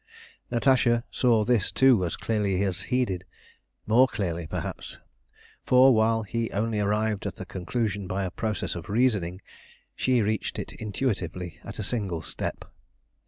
Natasha saw this too as clearly as he did more clearly, perhaps; for, while he only arrived at the conclusion by a process of reasoning, she reached it intuitively at a single step.